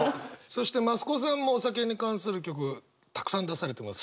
そして増子さんもお酒に関する曲たくさん出されてます。